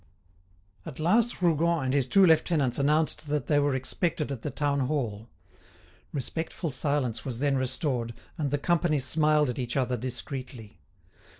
At last Rougon and his two lieutenants announced that they were expected at the town hall. Respectful silence was then restored, and the company smiled at each other discreetly.